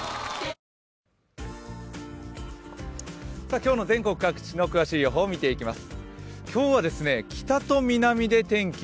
今日の全国各地の詳しい予報を見ていきます。